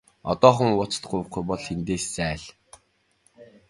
Одоохон уучлалт гуйхгүй бол эндээс зайл!